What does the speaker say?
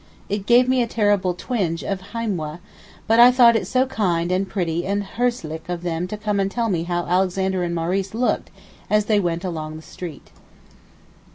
It gave me a terrible twinge of Heimweh, but I thought it so kind and pretty and herzlich of them to come and tell me how Alexander and Maurice looked as they went along the street.